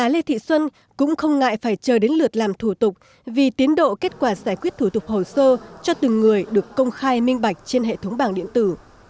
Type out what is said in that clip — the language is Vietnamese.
lê thị xuân cũng không ngại phải chờ đến lượt làm thủ tục vì tiến độ kết quả giải quyết thủ tục hồ sơ cho từng người được công khai minh bạch trên hệ thống bảng điện tử